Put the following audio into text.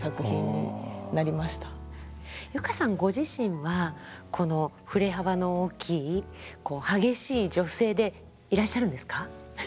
佑歌さんご自身はこの振れ幅の大きい激しい女性でいらっしゃるんですか？